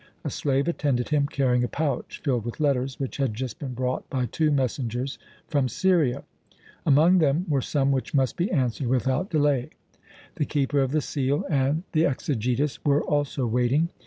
A slave attended him, carrying a pouch filled with letters which had just been brought by two messengers from Syria. Among them were some which must be answered without delay. The Keeper of the Seal and the Exegetus were also waiting.